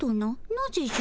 なぜじゃ？